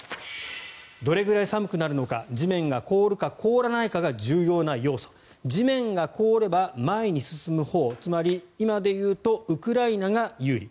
どれぐらい寒くなるのか地面が凍るか凍らないかが重要な要素地面が凍れば、前に進むほうつまり今で言うとウクライナが有利。